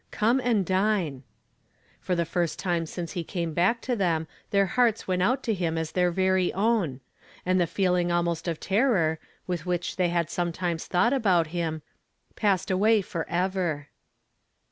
"Come and dine." For the first time smce he came back to them their hearts went out to him as their very own ! and the feeling abnost of terror, with which they had sometimes thought about him, passed away forever.